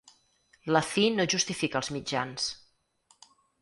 La fi no justifica els mitjans.